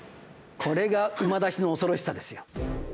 これが馬出しの恐ろしさですよ。